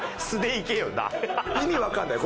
意味わかんないよ